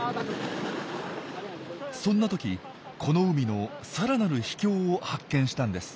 そんな時この海のさらなる秘境を発見したんです。